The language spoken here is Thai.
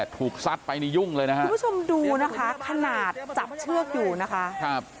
ถูกซัดไปในยุ่งเลยนะคะคุณผู้ชมดูนะคะขนาดจับเชือกอยู่นะคะ